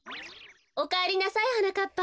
おかえりなさいはなかっぱ。